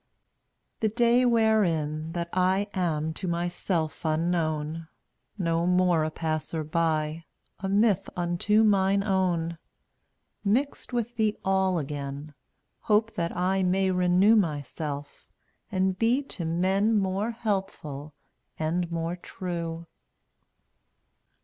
The day wherein that I Am to myself unknown — No more a passer by, A myth unto mine own — Mixed with the All again, Hope that I may renew Myself, and be to men More helpful and more true.